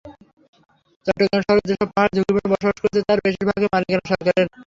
চট্টগ্রাম শহরে যেসব পাহাড়ে ঝুঁকিপূর্ণ বসবাস রয়েছে, তার বেশির ভাগের মালিকানা সরকারের।